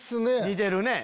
似てるね。